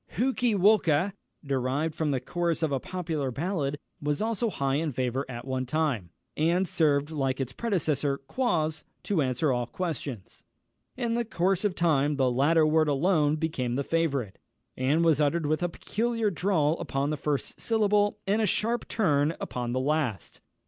Hookey Walker, derived from the chorus of a popular ballad, was also high in favour at one time, and served, like its predecessor Quoz, to answer all questions. In the course of time, the latter word alone became the favourite, and was uttered with a peculiar drawl upon the first syllable, and a sharp turn upon the last.